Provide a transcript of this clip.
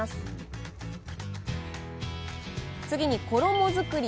次に衣作り。